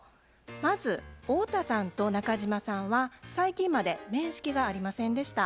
まず太田さんと中島さんは最近まで面識がありませんでした。